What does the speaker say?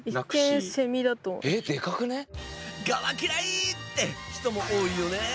「ガは嫌い！」って人も多いよね。